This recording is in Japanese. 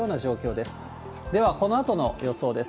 では、このあとの予想です。